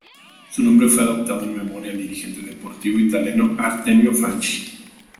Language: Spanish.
Su nombre fue adoptado en memoria al dirigente deportivo italiano Artemio Franchi.